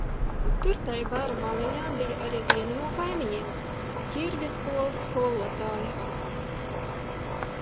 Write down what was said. Tur tai bara maliņā bija arī vieni no kaimiņiem – Ķirbja skolas skolotāja.